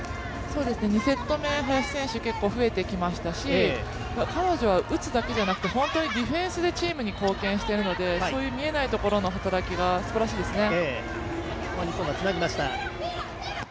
２セット目、林選手、増えてきましたし彼女は打つだけではなくて本当にディフェンスでチームに貢献しているのでそういう見えないところの働きがすばらしいですね。